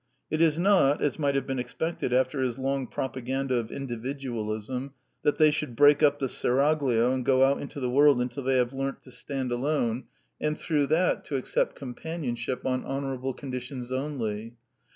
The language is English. It is not, as might have been expected after his long propaganda of Individualism, that they should break up the seraglio and go out into the world until they have learnt to stand alone, and The Four Last Plays 155 through that to accept companionship on honor able conditions only.